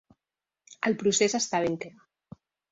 El procés està ben clar.